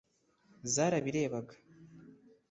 zarabirebaga